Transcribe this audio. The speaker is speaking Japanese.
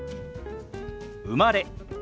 「生まれ」。